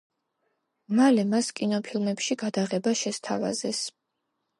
მალე მას კინოფილმებში გადაღება შესთავაზეს.